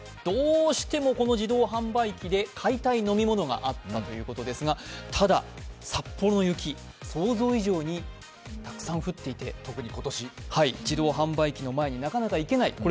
どうしても、この自動販売機で買いたい飲み物があったということですが、ただ、札幌の雪、想像以上にたくさん降っていて自動販売機の前になかなか行けない。